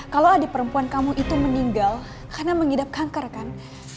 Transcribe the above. kalau adik perempuan kamu itu meninggal karena mengidap kanker kan